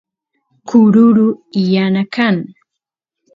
kururu yana kan